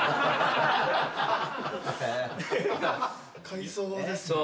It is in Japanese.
買いそうですね。